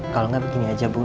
kalau nggak begini aja bu